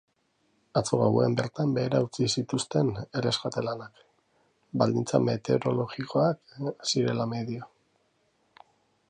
Atzo gauean bertan behera utzi zituzten erreskate lanak, baldintza meteorologikoak zirela medio.